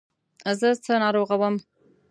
زه څه ناروغه وم.